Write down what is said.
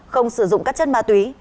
không sử dụng các chất ma túy